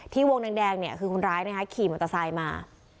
วงแดงคือคนร้ายขี่มอเตอร์ไซค์มา